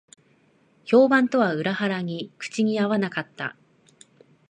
評判とは裏腹に口に合わなかった